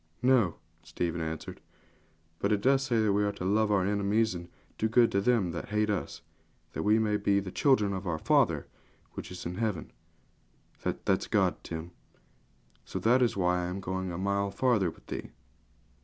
'No,' Stephen answered; 'but it says we are to love our enemies, and do good to them that hate us, that we may be the children of our Father which is in heaven that is God, Tim. So that is why I am going a mile farther with thee.'